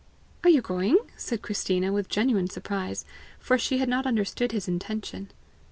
"Are you going?" said Christina with genuine surprise, for she had not understood his intention.